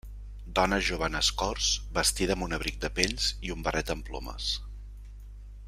Dona jove en escorç vestida amb un abric de pells i un barret amb plomes.